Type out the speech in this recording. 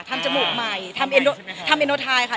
ทำจมูกใหม่ทำเอ็นโดไทค่ะ